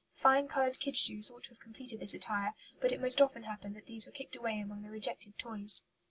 Fine coloured kid shoes ought to have completed this attire, but it most often happened that these were kicked away among the rejected toys.